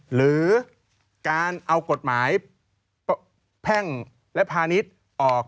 หรือการเอากฎหมายแพ่งและพาณิชย์ออก